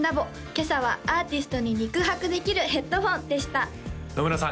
今朝は「アーティストに肉薄できるヘッドフォン」でした野村さん